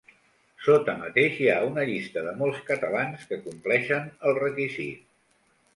Sota mateix hi ha una llista de mots catalans que compleixen el requisit.